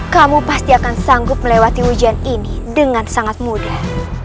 kamu pasti akan sanggup melewati ujian ini dengan sangat mudah